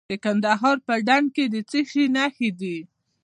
د کندهار په ډنډ کې د څه شي نښې دي؟